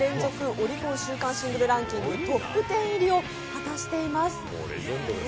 オリコン週間デジタルシングルランキングトップ１０入りを果たしています。